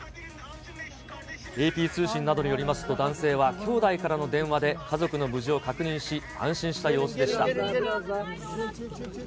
ＡＰ通信などによりますと、男性は兄弟からの電話で家族の無事を確認し、安心した様子でした。